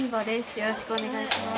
よろしくお願いします。